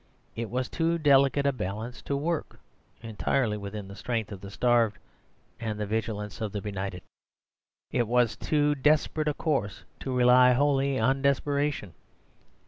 It was too delicate a balance to work entirely with the strength of the starved and the vigilance of the benighted. It was too desperate a course to rely wholly on desperation.